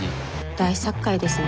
大殺界ですね。